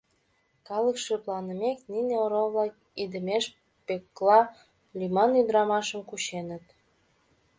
Калык шыпланымек, нине орол-влак идымеш Пӧкла лӱман ӱдырамашым кученыт.